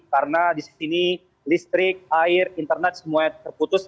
karena di sini listrik air internet semuanya terputus